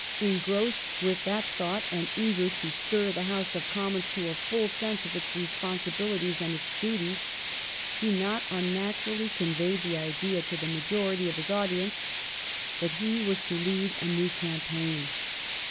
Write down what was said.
Engrossed with that thought, and eager to stir the House of Commons to a full sense of its responsibilities and its duties, he not unnaturally conveyed the idea to the majority of his audience that he was to lead a new cam paign.